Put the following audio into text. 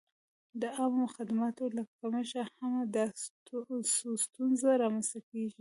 د عامه خدماتو له کمښته هم دا ستونزه را منځته کېږي.